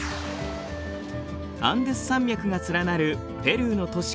アンデス山脈が連なるペルーの都市